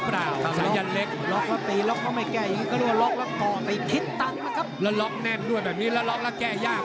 แล้วล็อคแน่นด้วยแบบนี้แล้วล็อคแล้วแก้ยาก